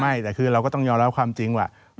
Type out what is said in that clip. ไม่แต่คือเราก็ต้องยอมรับความจริงว่า